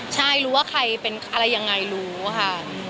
ใช่รู้ว่าใครเป็นอะไรยังไงรู้ค่ะ